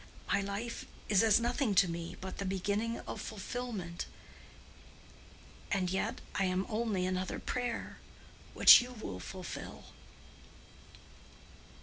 My life is as nothing to me but the beginning of fulfilment. And yet I am only another prayer—which you will fulfil."